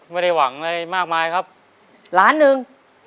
ไม่ได้หวังอะไรมากมายครับล้านหนึ่ง